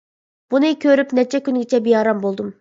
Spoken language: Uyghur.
بۇنى كۆرۈپ نەچچە كۈنگىچە بىئارام بولدۇم.